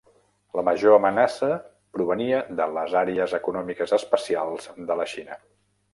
La major amenaça provenia de les Àrees Econòmiques Especials de la Xina.